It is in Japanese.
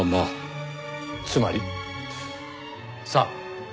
つまり？さあ。